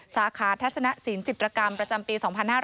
สาขาทัศนสินจิตรกรรมประจำปี๒๕๕๙